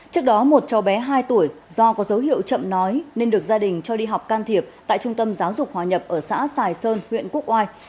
trước đó một cháu bé hai tuổi do có dấu hiệu chậm nói nên được gia đình cho đi học can thiệp tại trung tâm giáo dục hòa nhập ở xã sài sơn huyện quốc oai